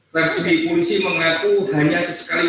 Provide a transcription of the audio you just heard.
prasudi polisi mengaku hanya sesekali